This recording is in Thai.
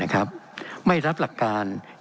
เป็นของสมาชิกสภาพภูมิแทนรัฐรนดร